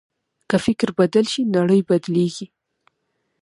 که فکر بدل شي، نړۍ بدلېږي.